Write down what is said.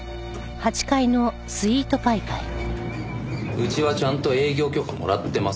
うちはちゃんと営業許可もらってますよ。